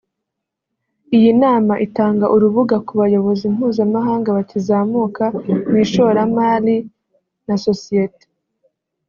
Iyi nama itanga urubuga ku bayobozi mpuzamahanga bakizamuka mu ishoramali na sosiyete